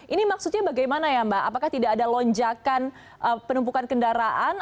ini maksudnya bagaimana ya mbak apakah tidak ada lonjakan penumpukan kendaraan